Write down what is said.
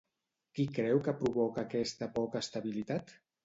Qui creu que provoca aquesta poca estabilitat?